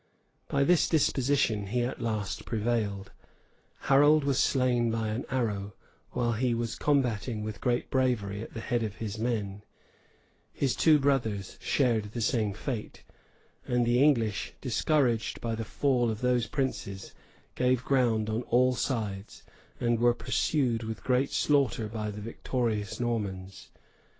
By this disposition he at last prevailed: Harold was slain by an arrow, while he was combating with great bravery at the head of his men; his two brothers shared the same fate; and the English, discouraged by the fall of those princes, gave ground on all sides, and were pursued with great slaughter by the victorious Normans.